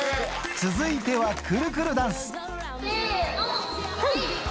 続いてはくるくるダンス。